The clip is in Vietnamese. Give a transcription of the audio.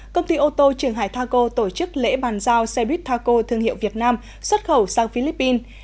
công ty ô tô trường hải taco tổ chức lễ bàn giao xe buýt taco thương hiệu việt nam xuất khẩu sang philippines